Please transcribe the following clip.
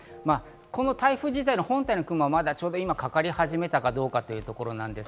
台風自体の本体の雲はちょうどかかり始めたかどうかというところです。